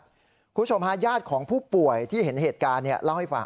คุณผู้ชมฮะญาติของผู้ป่วยที่เห็นเหตุการณ์เล่าให้ฟัง